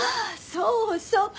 そうそう。